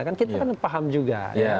kita kan paham juga